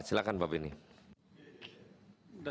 silakan pak benny